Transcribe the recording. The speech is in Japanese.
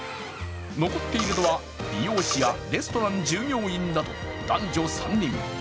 残っているのは美容師やレストラン従業員など男女３人。